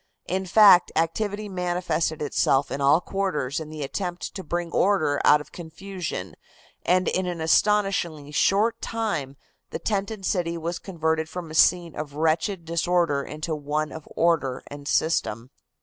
In fact, activity manifested itself in all quarters in the attempt to bring order out of confusion, and in an astonishingly short time the tented city was converted from a scene of wretched disorder into one of order and system.